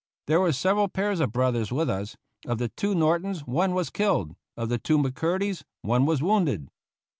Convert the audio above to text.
There were several pairs of brothers with us ; of the two Nor 127 THE ROUGH RIDERS tons one was killed; of the two McCurdys one was wounded.